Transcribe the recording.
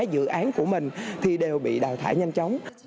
dự án của mình thì đều bị đào thải nhanh chóng